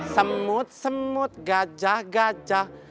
semut semut gajah gajah